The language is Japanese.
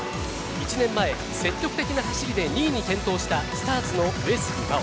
１年前、積極的な走りで２位に健闘したスターツの上杉真穂。